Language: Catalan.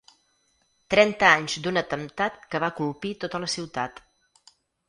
Trenta anys d’un atemptat que va colpir tota la ciutat.